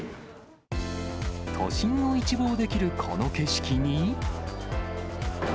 都心を一望できるこの景色に。